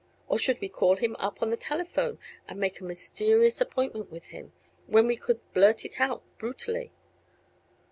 Or should we call him up on the telephone and make a mysterious appointment with him, when we could blurt it out brutally?